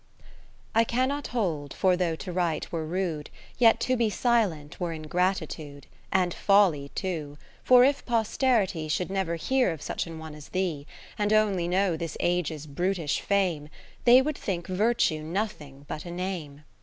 I CANNOT hold, for though to write were rude, Yet to be silent were ingratitude, And folly too ; for if posterity Should never hear of such an one as thee. And only know this age's brutish fame, They would think Virtue nothing but a name.